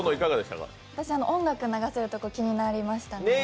音楽流せるところ気になりましたね。